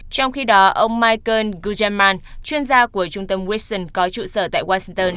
trong khi đó ông michael guzman chuyên gia của trung tâm wilson có trụ sở tại washington